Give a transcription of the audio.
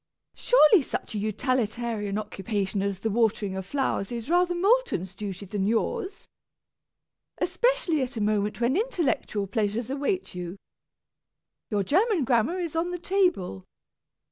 Surely such a utilitarian occupation as the watering of flowers is rather Moulton's duty than yours? Especially at a moment when intellectual pleasures await you. Your German grammar is on the table.